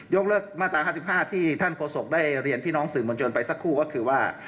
กเลิกมาตรา๕๕ที่ท่านโฆษกได้เรียนพี่น้องสื่อมวลชนไปสักครู่ก็คือว่า